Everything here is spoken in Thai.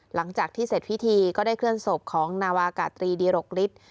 หลังจากที่เสร็จพิธีก็ได้เคลื่อนศพของนาวากาตรีดีรกฤทธิ์